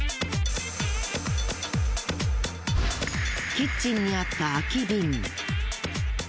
キッチンにあった空き瓶。